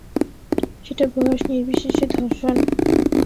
সেটা বয়স নির্বিশেষে ধর্ষণ।